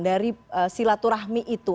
dari silaturahmi itu